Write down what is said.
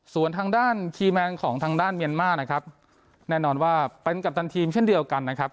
ส่วนทางด้านคีย์แมนของทางด้านเมียนมาร์นะครับแน่นอนว่าเป็นกัปตันทีมเช่นเดียวกันนะครับ